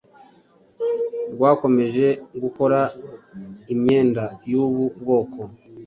rwakomeje gukora imyenda y’ubu bwoko.